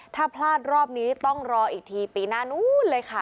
ถ้าพลาดรอบนี้ต้องรออีกทีปีหน้านู้นเลยค่ะ